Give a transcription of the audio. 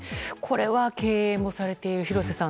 経営もされている廣瀬さん